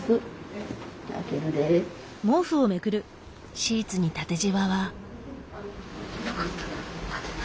シーツに縦ジワは。